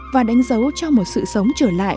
và đánh dấu cho một sự sống trở lại